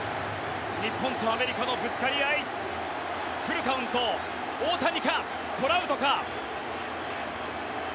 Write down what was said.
日本とアメリカのぶつかり合いフルカウント大谷か、トラウトか。